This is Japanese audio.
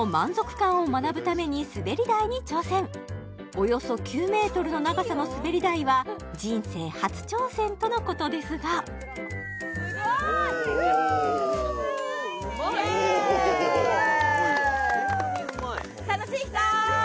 およそ９ｍの長さの滑り台は人生初挑戦とのことですがイエーイ